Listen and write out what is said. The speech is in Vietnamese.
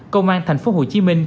công an tp hcm